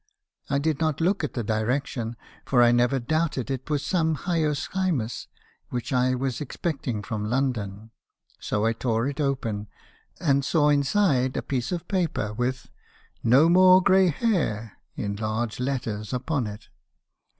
I did not look at the direc 268 me. haeeison's confessions. tion , for I never doubted it was some hyoscyamus which I wa3 expecting from London; so I tore it open, and saw inside a piece of paper, with 'No more gray hair/ in large letters, upon it.